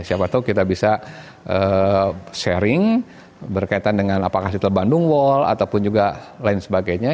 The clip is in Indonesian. siapa tahu kita bisa sharing berkaitan dengan apakah situ bandung wall ataupun juga lain sebagainya